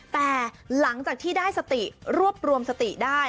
แต่หลังจากที่ได้สติรวบรวมสติได้